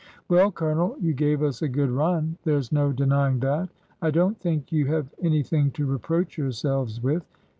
'' Well, Colonel, you gave us a good run. There 's no denying that. I don't think you have anything to reproach yourselves with.